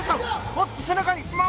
おっと、背中に。